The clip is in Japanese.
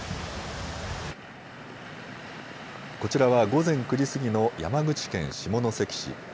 こちらは午前９時過ぎの山口県下関市。